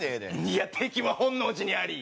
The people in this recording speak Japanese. いや敵は本能寺にあり！